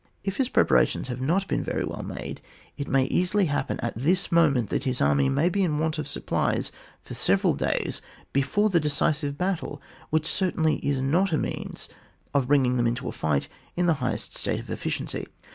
If his prepara tions have not been veiy weU made, it may easily happen at this moment that his army may be in want of supplies for several days before the decisive battle, which certainly is not a means of bring ing them into the fight in the highest state of efficiency.